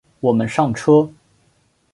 我们上车